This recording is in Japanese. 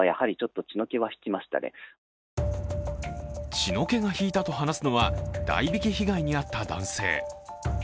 血の気が引いたと話すのは代引き被害に遭った男性。